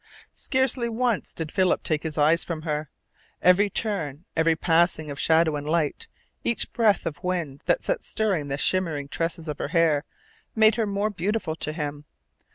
Scarcely once did Philip take his eyes from her. Every turn, every passing of shadow and light, each breath of wind that set stirring the shimmering tresses of her hair, made her more beautiful to him.